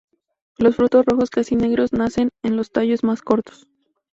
Los frutos rojos casi negros, nacen en los tallos más cortos.